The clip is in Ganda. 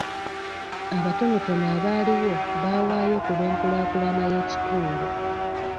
Abatonotono abaaliwo baawaayo ku lw'enkulaakulana y'ekitundu.